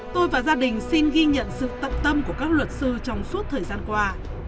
tôi và gia đình xin ghi nhận sự tận tâm của các luật sư trong suốt thời gian qua